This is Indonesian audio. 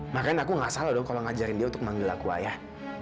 bahkan aku nggak salah dong kalau ngajarin dia untuk manggil aku ayah